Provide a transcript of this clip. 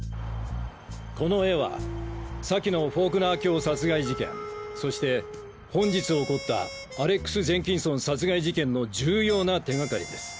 この絵は先のフォークナー卿殺害事件そして本日起こったアレックス・ジェンキンソン殺害事件の重要な手掛かりです。